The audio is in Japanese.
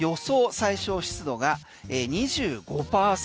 最小湿度が２５％。